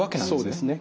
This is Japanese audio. そうですね。